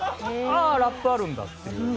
あラップあるんだっていうね。